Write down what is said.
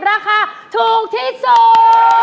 ราคาถูกที่สุด